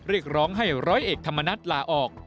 เรียกร้องให้ร้อยเอกธรรมนัฐลาออก